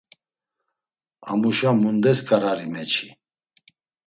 Amuşa mundes ǩarari meçi?